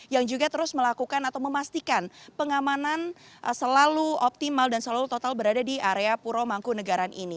yang juga terus melakukan atau memastikan pengamanan selalu optimal dan selalu total berada di area puro mangkunagaran ini